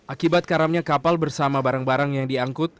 akibat karamnya kapal bersama barang barang yang diangkut